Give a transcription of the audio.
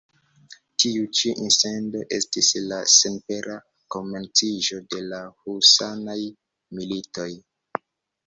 Tiu ĉi incidento estis la senpera komenciĝo de la husanaj militoj.